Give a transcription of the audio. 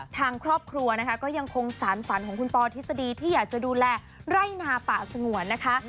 ทางครอบครัวนะคะก็ยังคงสารฝันของคุณปอทฤษฎีที่อยากจะดูแลไร่นาป่าสงวนนะคะ